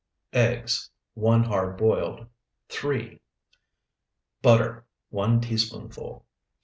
Eggs (one hard boiled), 3. Butter, 1 teaspoonful.